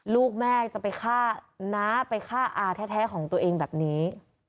ลูกแม่จะไปฆ่าน้าไปฆ่าอาแท้ของตัวเองแบบนี้